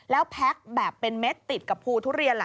แล้วแพ็คแบบเป็นเม็ดติดกับภูทุเรียนล่ะ